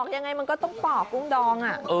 ยังไงมันก็ต้องปอกกุ้งดอง